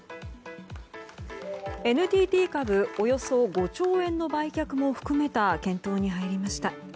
ＮＴＴ株およそ５兆円の売却も含めた検討に入りました。